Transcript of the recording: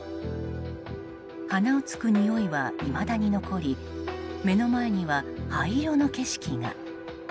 鼻を突くにおいはいまだに残り目の前には灰色の景色が。